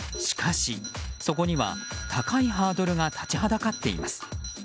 しかし、そこには高いハードルが立ちはだかっています。